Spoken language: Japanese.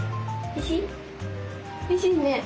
おいしいね。